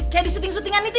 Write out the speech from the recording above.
kayak di syuting syutingan itu